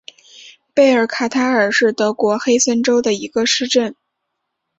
贝尔卡塔尔是德国黑森州的一个市镇。